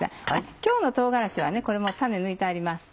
今日の唐辛子はこれもう種抜いてあります。